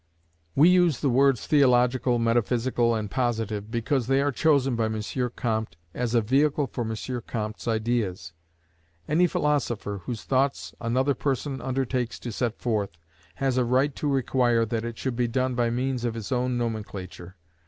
We use the words Theological, Metaphysical, and Positive, because they are chosen by M. Comte as a vehicle for M. Comte's ideas. Any philosopher whose thoughts another person undertakes to set forth, has a right to require that it should be done by means of his own nomenclature.